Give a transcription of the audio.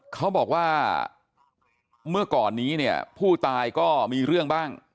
เขาบอกว่าเมื่อก่อนนี้พูดไพร์ก็มีเรื่องบ้าง